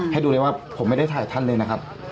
ให้ดูเลยว่าผมไม่ได้ถ่ายท่านเลยนะครับ